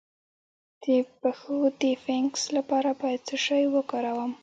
د پښو د فنګس لپاره باید څه شی وکاروم؟